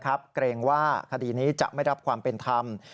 เกรงว่าคดีนี้จะไม่รับความเป็นธรรม